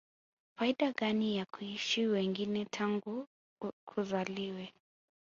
faida gani ya kuishi wengine tangu kuzaliwe